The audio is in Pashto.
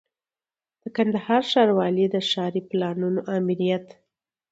د کندهار ښاروالۍ د ښاري پلانونو آمریت